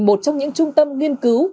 một trong những trung tâm nghiên cứu